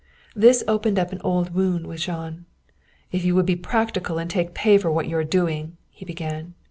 This opened up an old wound with Jean. "If you would be practical and take pay for what you are doing," he began.